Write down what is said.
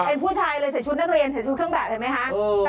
เป็นผู้ชายเลยใส่ชุดนักเรียนใส่ชุดเครื่องแบบเห็นไหมคะ